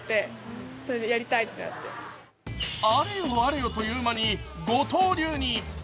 あれよあれよという間に五刀流に。